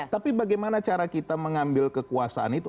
tapi bagaimana cara kita mengambil kekuasaan itu